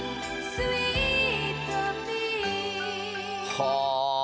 はあ！